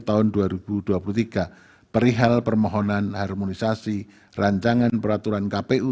kementerian riksad dan direktur jenderal permohonan harmonisasi rancangan peraturan kpu